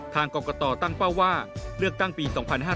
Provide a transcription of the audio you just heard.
ทางกรกตตั้งเป้าว่าเลือกตั้งปี๒๕๕๙